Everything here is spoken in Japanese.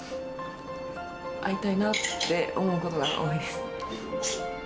会いたいなって思うことが多いです。